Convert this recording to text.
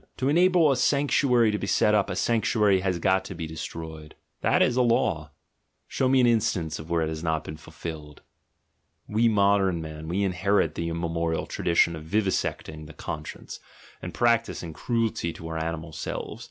^ To enable a sanctuary to be set up a sanctuary has got to be de stroyed: that is a law — show me an instance where it has not been fulfilled! ... We modern men, we inherit the immemorial tradition of vivisecting the conscience, and practising cruelty to our animal selves.